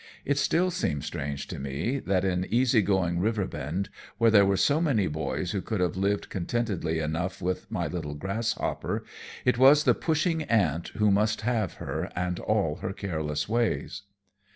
It still seems strange to me that in easy going Riverbend, where there were so many boys who could have lived contentedly enough with my little grasshopper, it was the pushing ant who must have her and all her careless ways.